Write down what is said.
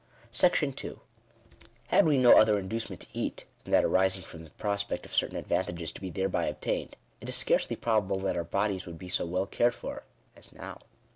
§*• Had we no other inducement to eat than that arising from the prospect of certain advantages to be thereby obtained, it is scarcely probable that our bodies would be so well cared for as now.